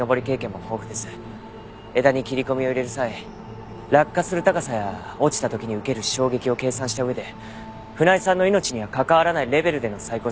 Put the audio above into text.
枝に切り込みを入れる際落下する高さや落ちた時に受ける衝撃を計算した上で船井さんの命には関わらないレベルでの細工をしたんでしょう。